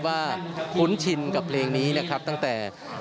และก็มีการกินยาละลายริ่มเลือดแล้วก็ยาละลายขายมันมาเลยตลอดครับ